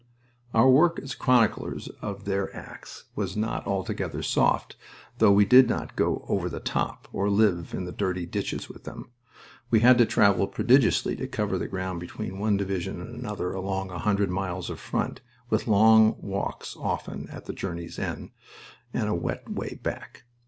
Our work as chroniclers of their acts was not altogether "soft," though we did not go "over the top" or live in the dirty ditches with them. We had to travel prodigiously to cover the ground between one division and another along a hundred miles of front, with long walks often at the journey's end and a wet way back.